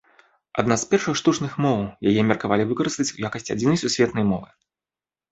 Адна з першых штучных моў, яе меркавалі выкарыстаць у якасці адзінай сусветнай мовы.